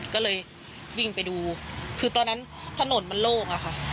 ก็เลยวิ่งไปดูคือตอนนั้นถนนมันโล่งอะค่ะ